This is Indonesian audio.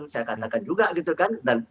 saya katakan juga gitu kan